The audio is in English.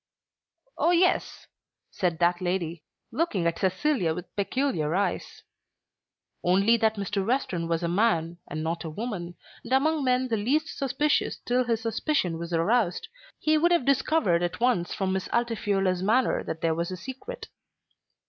"Oh, yes!" said that lady, looking at Cecilia with peculiar eyes. Only that Mr. Western was a man and not a woman, and among men the least suspicious till his suspicion was aroused, he would have discovered at once from Miss Altifiorla's manner that there was a secret.